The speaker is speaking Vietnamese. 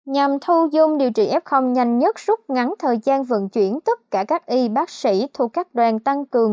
nhằm thu dung điều trị f nhanh nhất rút ngắn thời gian vận chuyển tất cả các y bác sĩ thuộc các đoàn tăng cường